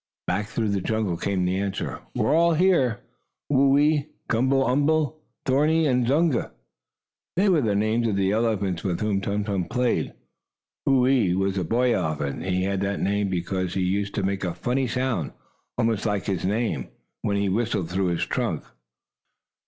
Back through the jungle came the answer: "We're all here Whoo ee, Gumble umble, Thorny and Zunga!" These were the names of the elephants with whom Tum Tum played. Whoo ee was a boy elephant, and he had that name, because he used to make a funny sound, almost like his name, when he whistled through his trunk.